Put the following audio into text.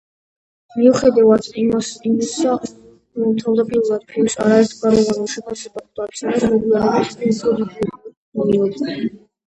მიუხედავად იმისა, რომ თავდაპირველად ფილმს არაერთგვაროვანი შეფასება ხვდა წილად, მოგვიანებით იგი უფრო დადებითად მიიღეს.